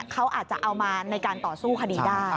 เขาอาจจะเอามาในการต่อสู้คดีได้